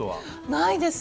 ないです。